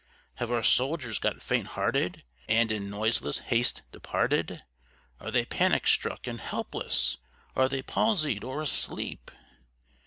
Have our soldiers got faint hearted, and in noiseless haste departed? Are they panic struck and helpless? Are they palsied or asleep?